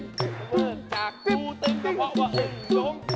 ข้างบนจากครูตึงกระเพาะวะเงินหลง